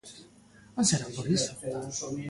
¿Non será por iso?